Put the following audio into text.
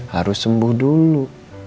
harus sembuh dulu